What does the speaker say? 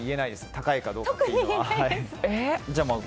高いかどうかというのは。